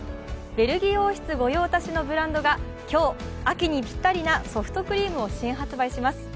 ベルギー王室御用達のブランドが今日、秋にぴったりなソフトクリームを新発売します。